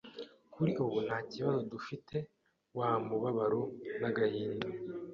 kuri ubu nta kibazo dufitanye, wa mubabaro n’agahinda